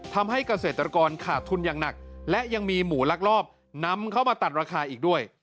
ทำให้เกษตรกรขาดทุนอย่างหนักและยังมีหมูลักลอบนำเข้ามาตัดราคาอีกด้วย